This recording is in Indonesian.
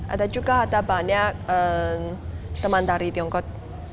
ada juga banyak teman dari tiongkok